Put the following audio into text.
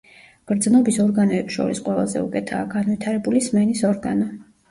გრძნობის ორგანოებს შორის ყველაზე უკეთაა განვითარებული სმენის ორგანო.